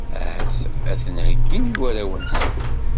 Ahat ad ten-heyyin i warraw-nsen.